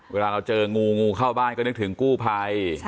เวลาเราเจองูงูเข้าบ้านก็นึกถึงกู้ภัย